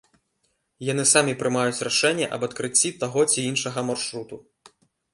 Яны самі прымаюць рашэнне аб адкрыцці таго ці іншага маршруту.